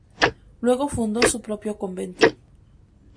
Luego fundó su propio convento.